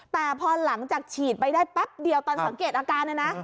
แต่พอหลังจากฉีดไปได้แป๊บเดียวตอนสังเกตอาการนะนะ